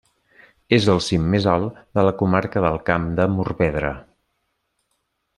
És el cim més alt de la comarca del Camp de Morvedre.